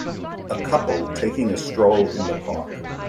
a couple taking a stroll in the park.